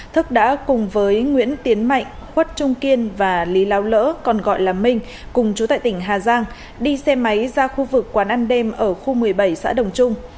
thức đã cùng với nguyễn tiến mạnh khuất trung kiên và lý láo lỡ còn gọi là minh cùng chú tại tỉnh hà giang đi xe máy ra khu vực quán ăn đêm ở khu một mươi bảy xã đồng trung